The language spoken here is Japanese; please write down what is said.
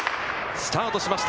スタートしました。